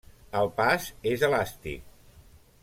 El pas és elàstic.